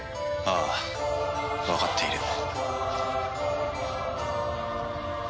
ああわかっている。